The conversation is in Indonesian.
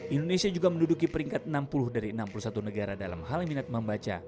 indonesia juga menduduki peringkat enam puluh dari enam puluh satu negara dalam hal minat membaca